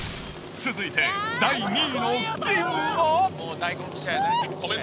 続いて第２位の銀は。